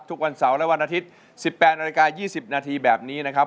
ทุกวันเสาร์และวันอาทิตย์๑๘นาฬิกา๒๐นาทีแบบนี้นะครับ